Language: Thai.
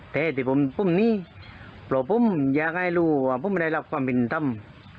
แต่อาจจะเป็นผมนี้อยากให้รู้ว่าผมไม่ได้รับความผิดทำ